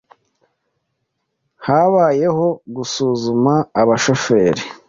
Habayeho gusuzuma aba bashoferi